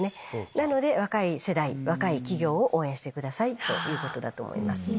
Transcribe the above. なので若い世代若い企業を応援してくださいということだと思います。